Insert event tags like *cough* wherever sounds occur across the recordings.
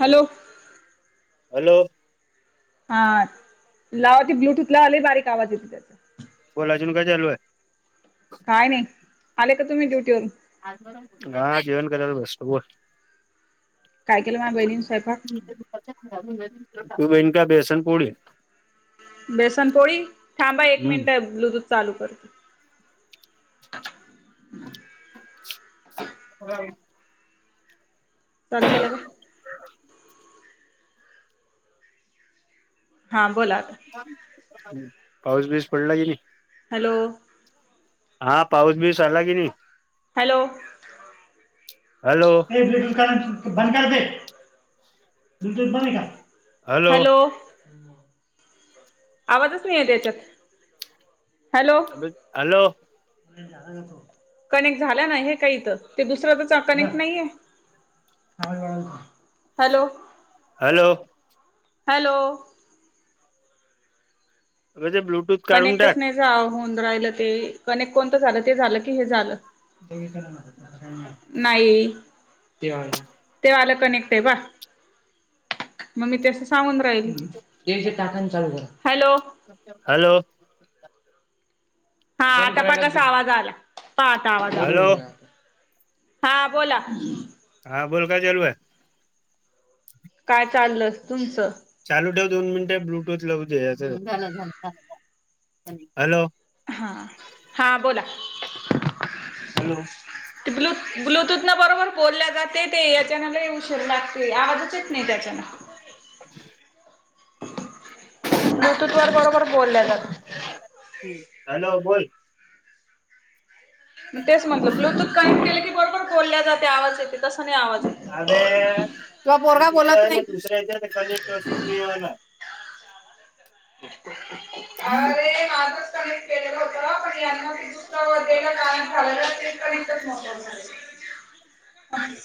Hello! ! Hello! ! हा लावा ती ब्लूटूथ लावा लय बारीक आवाज येतो. त्याचा का कोण अजून काय जुरवत काय नाही आले का तुम्ही ड्युटीवररून? *inaudible* हा! जेवण करायला बसलो बोल! *unintelligible* काय केलं माझ्या बहिणीने स्वयंपाक *unintelligible* *inaudible* तू बेन का बेसन पुड है बेसन पोळी, थांबा एक हम्म मिनिटं ब्लूटूथ चालू करतो. *unintelligible* *inaudible* चालू केला का? ह *unintelligible* *inaudible* हा बोला आता! पाऊस बीस पडला की नाई? हॅल! ! हा पाऊस बीस आला की नाई? हॅलो! ! *unintelligible* हॅलो बंद करते बुलू तुथ बंदकर! हॅलो! ! आवाजच नई येतं याच्यात! हॅलो अग हॅलो! ! *inaudible* कनेक्ट झाला ना? हे काय इथं! ते दुसरा तुमचा कनेक्ट नाहीय? हॅलो! ! हॅलो! ! हॅलो! ! ! गरिबलोक कनेक्टच नाही जा होऊन राहिलं ते, कनेक्ट कोणतं झालं? ते झालं की हे झालं. नाही? ते वाला कनेक्ट आहे बा! ! मग मी तेसं सांगून राहिली. *unintelligible* हॅलो. हॅलो! ! हा आता पण कसा आवाज आला! पाहाआता आवाज हॅलो आला! ! हा! बोला! ! हा बोल काय च्यालू आहे? काय चाललयं तुमचं? चालू ठेव दोन मिनिटे ब्लूटूथ लऊ दे. हॅलो. हा हा बोला. हॅलो. ब्लू ब्लूतूथनं बरोबर बोलल्या जाते ते, याच्यानमध्ये उशीर लागते. आवाजचच येतं नई त्याच्यान. *unintelligible* ब्लूटूथ वर बरोबर बोलल्या जात. हं हॅलो बोल. म तेच म्हटलं ब्लूटूथ कनेक्ट केले की, बरोबर बोलल्या जाते. आवाज येत तस नाही आवाज येत. तूजा पोरगा बोलत नई. *unintelligible* केलेल होत पण, यांना ते *unintelligible* झालं नाही. ते कनेक्टच नव्हतं झालेलं. *unintelligible*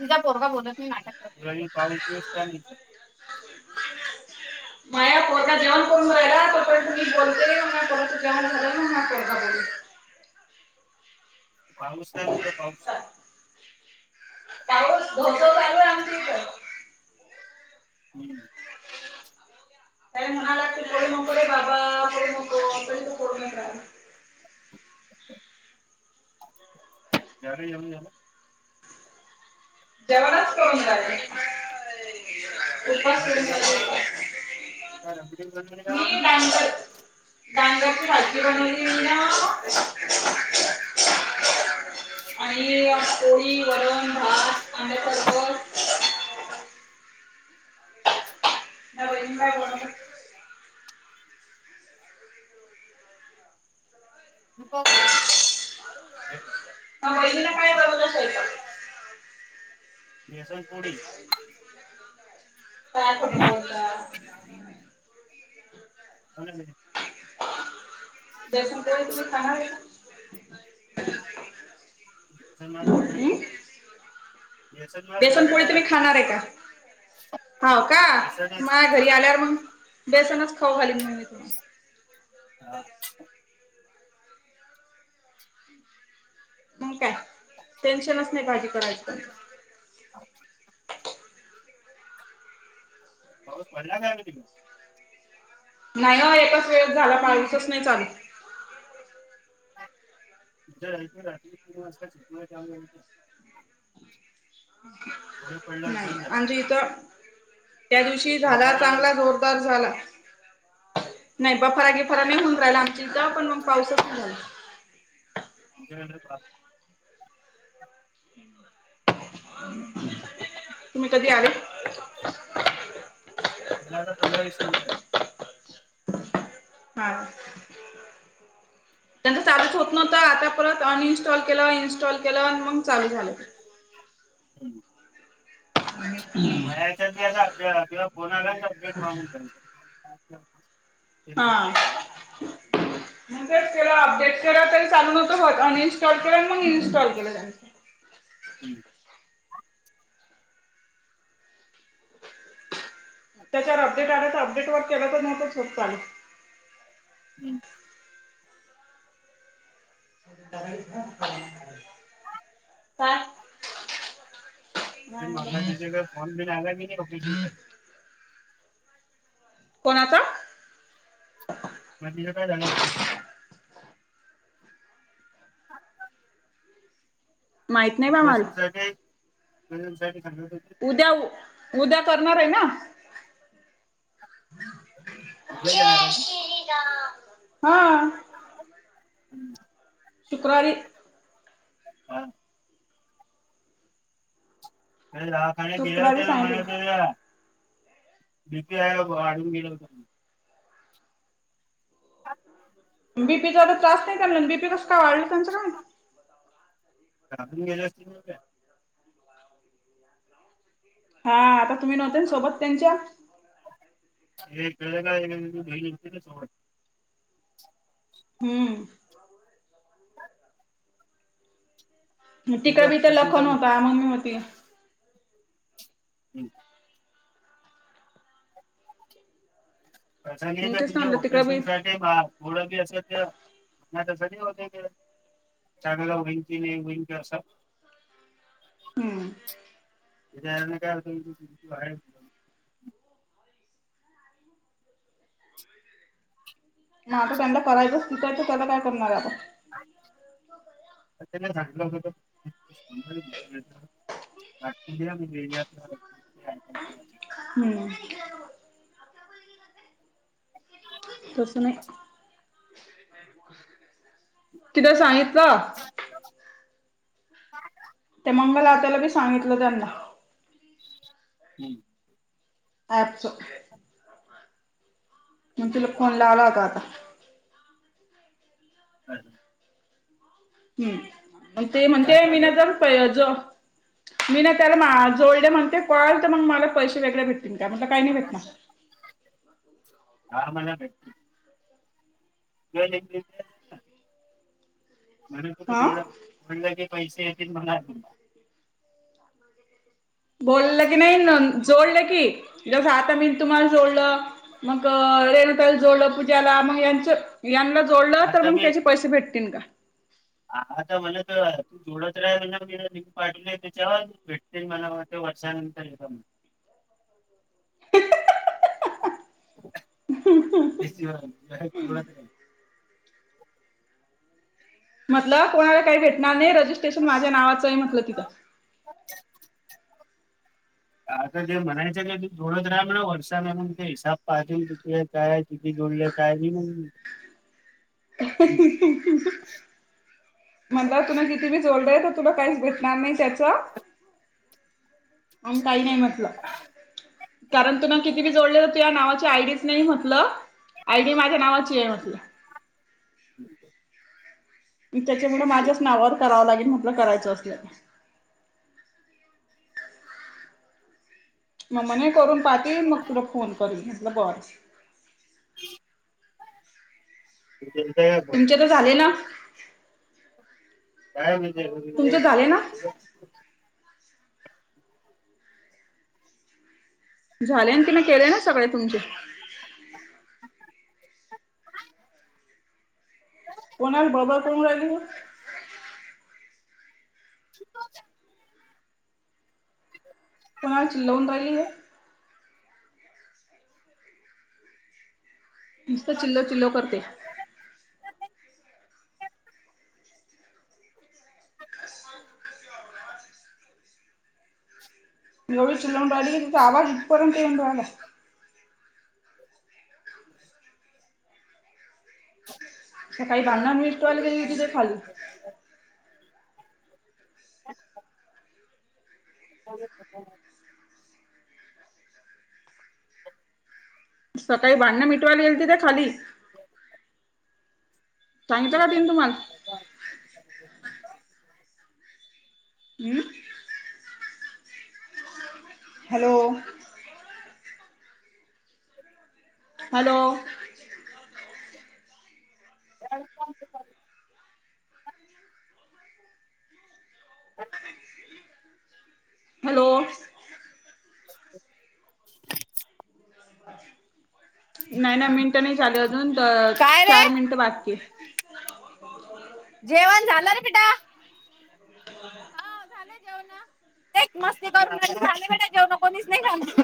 तुजा पोरगा बोलत न नाटक करतो. *unintelligible* माया पोरगा जेवण करून रायला, तो पर्यंत मीच बोलते. मग माया पोराचं जेवणं झाल्यावर, मग माया पोरगा बोलील. पाऊस काय म्हणतय पाऊस? पाऊस धोधो चालू आहे आमच्या इथं. हम्म. काई म्हणाला ते करू नको रे बाबा, करू नको तरी ते *unintelligible* झालं जेवणं झाल? जेवणाच करून राहिले. उपास काय सोडून केलं राहिले मग काय उपास. का व मी *unintelligible* डांगर डांगरची भाजी बनवली ना आणि पोळी, वरण, भात *unintelligible* *unintelligible* *unintelligible* मग वहिनीने काय बनवलाय स्वयपाक? भेसन पोली. काय खोटं बोलतां. *unintelligible* बेसन पोळी तुम्ही खाणारे का? *unintelligible* का? बेसन पोळी तुम्ही खाणार आहे का? हाव का येसनच माझ घरी आल्यावर मग बेसनच खाऊ घाली मग मी तुमही. हा. मग काय टेन्शनच नाही भाजी करायं अच्छा. बस बि्या खय तुमही. नाही एकाच वेळ झाला पावीसच नाही चालेू. े रात्री तीन वाजता झ थोडे पडलं नाही बंद जा आणिज इथं त्या दिवशी झाला बघायला चांगला लागली जोर दर झाला नाही बा फरागी फरा नाही होऊन राहिला. जिथ पण मग पावसात जय नाय पहात. हम्म तुम्ही कधी आले? मला आता पंधरा-वीस मिनटं हाय. हा त्यांच चालूच होत नव्हतं आता परत अनइन्स्टॉल केलं, इनस्टॉल केल अन मंग चालू झालं. हॅलो *unintelligible* मला याच्यात बी आता आपल्याला किंवा फोन आला तर अपडेट मागून त्यांचा हा मंग तेच केलं अपडेट केल तरी चालू न्हवत होत, अनइनस्टॉल केलं अन मग इन्स्टॉल केलं त्यांनी. हम्म त्याच्यावर अपडेट आला तर अपडेट वर केलं तर न्हवतंच होत चालू. हम्म *inaudible* काय? अ मला दिलेला फोन बिन आला की नाही ऑपेरेशन साठी. कोणाचा? मग तिथ काय झाल *inaudible* *unintelligible* माहित नाही बा मला. ऑपेरेशनच काय? ऑपेरेशन साठी सांगणार होते. त्या उ उद्या करणार आहे ना? उद्या येणार जय आहे ना श्री राम, हा हम्म शुक्रवारी *inaudible* अरे दवाखान्यात गेल्या शुक्रवारी होत्या ना सांगितलं. बाया सगळ्या. बी. पी. आय वाढून गेला होता म्हणे बी. पी. चा तर त्रास नाही त्यांना अन बी. पी. कस काय वाढला त्यांचा काय माहित? घाबरून गेले असतील ना ते. हा आता तुम्ही नव्हते ना सोबत त्यांच्या. हे कळे ना *inaudible* होती ना सोबत. हम्म ते तिकड बी तर ऑपरेशनचा लखन होता, मम्मी होती. हम्म मी तेच *unintelligible* ऑपरेशनसाठी म्हणलं तिकडं बी *unintelligible* चांगला होईन की नाही, होईन का असं हम्म. *unintelligible* हा पण त्यांना करायचच तिथ आहे तर त्याला काय करणार आता? अर त्यानाला सांगितल होत तर, *inaudible* उद्या बी *unintelligible* हम्म तस नाही, तिला सांगितलं. ते मंगल आत्याला बी सांगितलं त्यानला. ह. आठसो मग तुला फोन लावला होता आता. *unintelligible* हम् मग ते काय म्हणते चालू आहे *unintelligible* मी ना त्याला मा जोडले म्हणते काॅल तर मग मला पैसे वेगळे भेटतील काय? म्हटलं काही नाही भेटणार. हा मना भेटतील. *unintelligible* हा *unintelligible* पैसे येतील *unintelligible* बोलल की नाही? न जोडल की. जस आता मी तुम्हाला जोडलं, मग रेणूताईला जोडलं, पूजाला मग यांच यांना जोडलं तर आता मग त्याचे पैसे भेटतीन का? हा तर म्हनलं तर तू जोडल *unintelligible* लिंक पाटवली आहे त्याच्यावर भेट ते मला वाटतं *unintelligible* *inaudible* *unintelligible* म्हटलं कोणाला काही भेटणार नाही. रजिस्ट्रेशन माझ्या नावाचं आहे म्हटलं तिथं. *inaudible* *inaudible* आता जे म्हणायच नाय ते *unintelligible* काय किती जोडले काय नई *unintelligible* *inaudible* म्हटलं तुन किती भी जोडलंय तर तुला काहीच भेटणार नाही त्याच. आणि काही नाही म्हटलं. कारण तु ना किती बी जोडले तर तूज्या नावाची आयडीच नाही म्हटलं. आयडी माझ्या नावाची आहे म्हटल. *inaudible* त्याच्यामुळ माझ्याच नावावर करावं लागेल म्हटलं करायचं असल्यास. मग म्हणे करून पाहती, मग तुला फोन करीन. म्हटलं बरं. *unintelligible* गेलत का कोण? तुमचे तर झाले ना. काय तुमचे झाले ना *unintelligible* झाले ना? तुम्ही केले ना सगळे तुमचे? कोणाला बडबड करून राहिली व? *unintelligible* *inaudible* कोणाला चिलवुन राहिली ये? नुस्त चिल्लो चिल्लोव करते. एवढी चिलावून राहिली, तिचा आवाज इथपर्यंत येऊन राहिलाय. सकाळी भांडण मिटवायला गेलेली तिथे खाली. *unintelligible* सकाळी भांडण मिटवायला गेलती तिथे खाली. सांगितल का तीन तुम्हाला? अं. हॅलो. हॅलो. *unintelligible* हॅलो. *unintelligible* नाही नाही मिनटं नाही झाले अजून काय रे चार मिनटं बाकी हाय. जेवण झालं र बिटा हा झालं जेवण. ते मस्ती करूनही झालं आहे बेटा जेवण कोणीच नाही खाली.